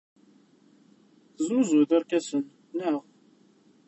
Tesnuzuyeḍ irkasen, naɣ?